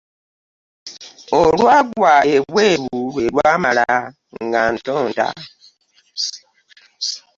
Olwagwa ebweru lwe lwamala, nga ntonta.